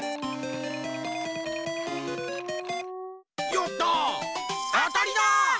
やった！あたりだ！